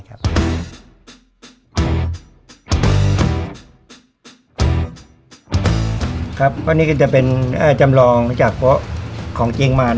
อันนี้ก็จะเป็นจำลองจากโป๊อของเจียงมา